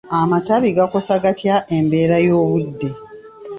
Amatabi gakosa gatya embeera y'obudde?